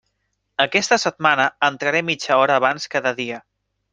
Aquesta setmana entraré mitja hora abans cada dia.